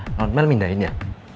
menurut mel pindahin ya